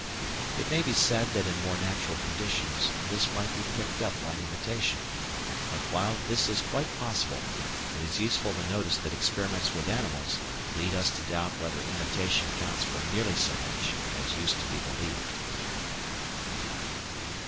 It may be said that in more natural conditions this might be picked up by imitation, but while this is quite possible, it is useful to notice that experiments with animals lead us to doubt whether imitation counts for nearly so much as used to be believed.